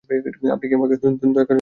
আপনি কি আমাকে দয়া করে বলবেন, কী ব্যাপার?